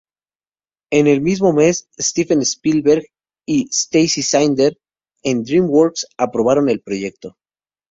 En el mismo mes, Steven Spielberg y Stacey Snider en DreamWorks aprobaron el proyecto.